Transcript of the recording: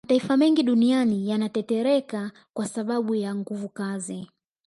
Mataifa mengi duniani yanatetereka kwasababu ya nguvukazi